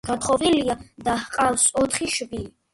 გათხოვილია და ჰყავს ოთხი შვილი.